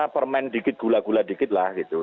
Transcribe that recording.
permen dikit gula gula dikit lah gitu